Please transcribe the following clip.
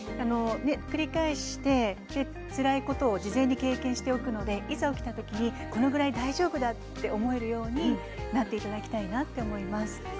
繰り返してつらいことを事前に経験しておくといざ起きた時にこれぐらい大丈夫だと思えるようになっていただきたいなと思います。